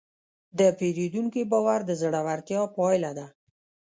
د پیرودونکي باور د زړورتیا پایله ده.